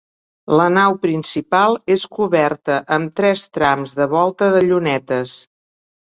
La nau principal és coberta amb tres trams de volta de llunetes.